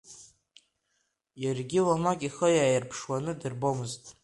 Иаргьы уамак ихы ааирԥшуаны дырбомызт.